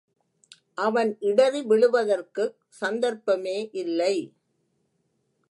அவன் இடறி விழுவதற்குக் சந்தர்ப்பமே யில்லை.